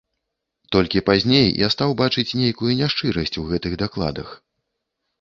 Толькі пазней я стаў бачыць нейкую няшчырасць у гэтых дакладах.